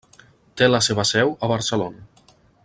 Té la seva seu a Barcelona.